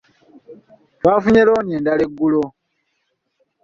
Twafunye looni endala eggulo.